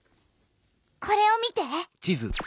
これを見て！